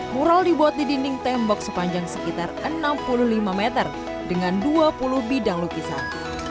mural dibuat di dinding tembok sepanjang sekitar enam puluh lima meter dengan dua puluh bidang lukisan